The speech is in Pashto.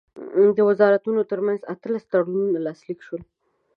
د وزارتونو ترمنځ اتلس تړونونه لاسلیک شول.